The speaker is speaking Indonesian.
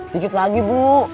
dikit lagi bu